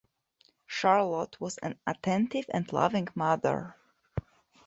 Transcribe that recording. Charlotte was an attentive and loving mother.